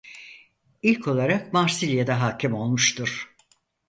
İlk olarak Marsilya'da hakim olmuştur.